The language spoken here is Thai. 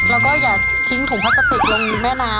แล้วก็อย่าทิ้งถุงพลาสติกลงแม่น้ำ